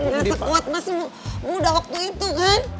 gak sekuat masih muda waktu itu kan